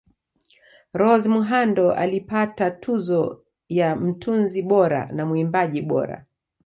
Rose Muhando alipata tuzo ya mtunzi bora na muimbaji bora